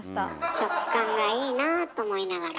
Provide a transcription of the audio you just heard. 食感がいいなあと思いながら。